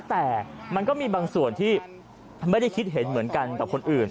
แต่มันก็มีบางส่วนที่ไม่ได้คิดเห็นเหมือนกันกับคนอื่น